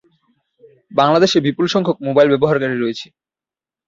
বাংলাদেশে বিপুল সংখ্যক mobile phone ব্যবহারকারী রয়েছে।